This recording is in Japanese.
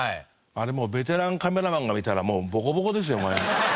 あれもうベテランカメラマンが見たらもうボコボコですよ。